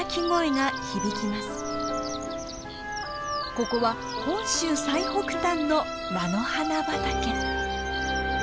ここは本州最北端の菜の花畑。